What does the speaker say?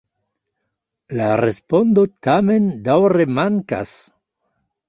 La respondo tamen daŭre mankas.